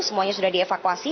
semuanya sudah dievakuasi